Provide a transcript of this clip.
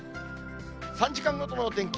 ３時間ごとのお天気。